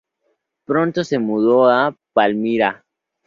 Pronto se mudó a Palmira.